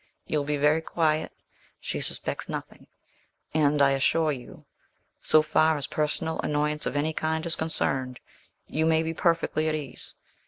You'll be very quiet she suspects nothing; and I assure you, so far as personal annoyance of any kind is concerned, you may be perfectly at ease.